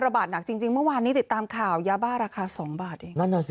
บาทหนักจริงเมื่อวานนี้ติดตามข่าวยาบ้าราคา๒บาทเองนั่นแหละสิ